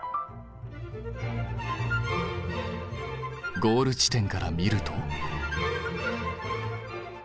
ゴール地点から見ると。